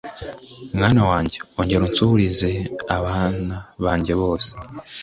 mwana wanjye, ongera unsuhurize abana banjye bose,